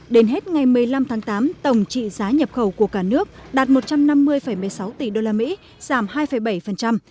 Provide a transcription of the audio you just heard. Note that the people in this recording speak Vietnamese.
đến hết ngày một mươi năm tháng tám tổng trị giá nhập khẩu của cả nước đạt một trăm năm mươi một mươi sáu tỷ usd giảm hai bảy